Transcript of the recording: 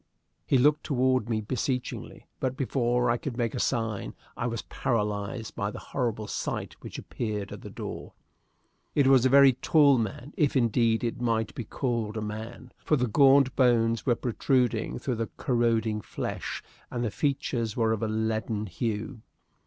He looked toward me beseechingly, but before I could make a sign I was paralyzed by the horrible sight which appeared at the door. It was a very tall man, if, indeed, it might be called a man, for the gaunt bones were protruding through the corroding flesh, and the features were of a leaden hue.